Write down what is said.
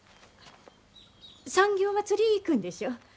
産業まつり行くんでしょ。